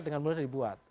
dengan mulia dibuat